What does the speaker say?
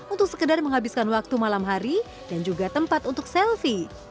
untuk sekedar menghabiskan waktu malam hari dan juga tempat untuk selfie